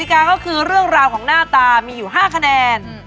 กาก็คือเรื่องราวของหน้าตามีอยู่๕คะแนน